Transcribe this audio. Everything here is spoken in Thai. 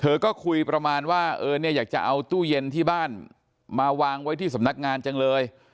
ก็คุยประมาณว่าเออเนี่ยอยากจะเอาตู้เย็นที่บ้านมาวางไว้ที่สำนักงานจังเลย